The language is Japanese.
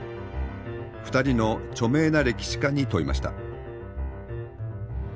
２人の著名な歴史家に問いました。